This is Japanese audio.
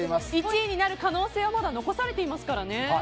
１位になる可能性はまだ残されてますからね。